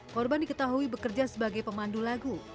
korban diketahui bekerja sebagai pemandu lagu